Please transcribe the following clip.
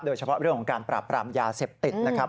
โดยเฉพาะเรื่องของการปราบปรามยาเสพติดนะครับ